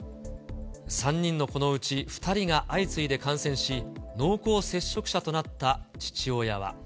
３人の子のうち２人が相次いで感染し、濃厚接触者となった父親は。